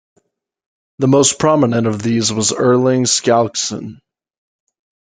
The most prominent of these was Erling Skjalgsson.